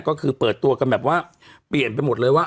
ก็คือเปิดตัวกันแบบว่าเปลี่ยนไปหมดเลยว่า